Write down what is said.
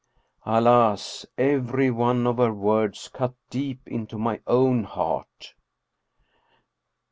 " Alas, every one of her words cut deep into my own heart.